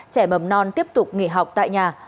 trẻ mầm non tiếp tục nghỉ học tại nhà